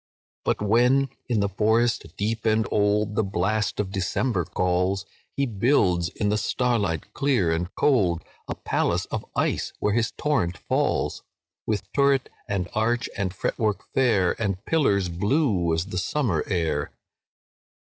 "But when, in the forest bare and old, The blast of December calls, He builds, in the starlight clear and cold, A palace of ice where his torrent falls, With turret, and arch, and fretwork fair, And pillars blue as the summer air.